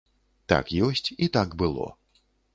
Так ёсць і так было.